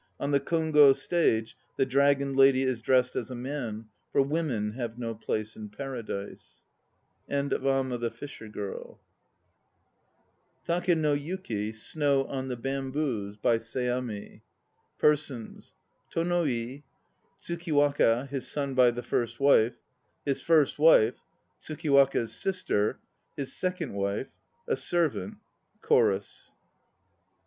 On the Kongo stage the Dragon Lady is dressed as a man; for women have no place in Paradise. 236 TAKE NO YUKI (SNOW ON THE BAMBOOS) By SEAMI PERSONS T01\0 I. TSVK1WAKA (his son by the first wife). HIS FIRST WIFE. TSUKIWAKA'S SISTER. HIS SECOND WIFE. A SERVANT. CHORUS.